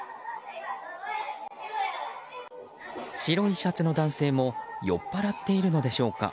白いシャツの男性も酔っぱらっているのでしょうか。